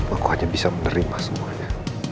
aku hanya bisa menerima semuanya